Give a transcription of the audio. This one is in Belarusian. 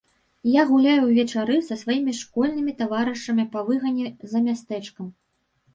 Я гуляю ўвечары са сваімі школьнымі таварышамі па выгане за мястэчкам.